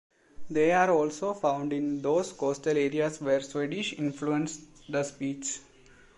They are also found in those coastal areas where Swedish influenced the speech.